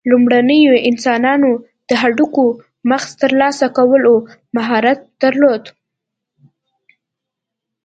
لومړنیو انسانانو د هډوکو مغز ترلاسه کولو مهارت درلود.